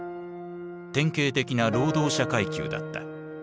典型的な労働者階級だった。